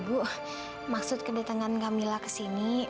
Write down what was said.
ibu maksud kedatangan kak mila kesini